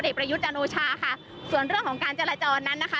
ประยุทธ์จันโอชาค่ะส่วนเรื่องของการจราจรนั้นนะคะ